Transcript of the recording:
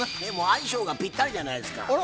でも相性がぴったりじゃないですか。